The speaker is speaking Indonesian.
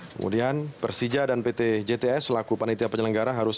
kemudian persija dan pt jts selaku panitia penyelenggaraan